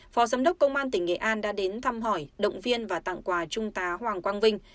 phó giám đốc công an tỉnh nghệ an đã đến thăm hỏi động viên và tặng quà trung tá hoàng quang vinh